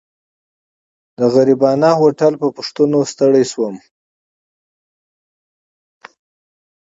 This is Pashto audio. د غریبانه هوټل په پوښتنه ستړی شوم.